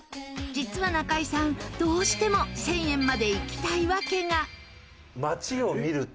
実は中井さんどうしても１０００円までいきたい訳が。